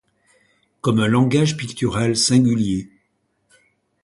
Comme un langage pictural singulier.